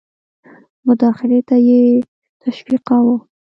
مداخلې ته یې تشویقاوه.